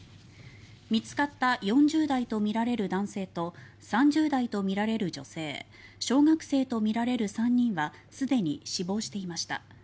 見つかった４０代とみられる男性と３０代とみられる女性小学生とみられる３人はすでに死亡していました。